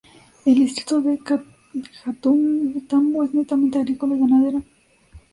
El distrito de Cajatambo es netamente agrícola y ganadero.